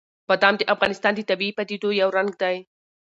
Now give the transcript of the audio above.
بادام د افغانستان د طبیعي پدیدو یو رنګ دی.